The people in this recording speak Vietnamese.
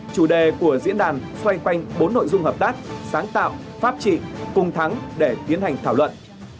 chủ đề của diễn đàn xoay quanh bốn nội dung hợp tác sáng tạo pháp trị cùng thắng để tiến hành thảo luận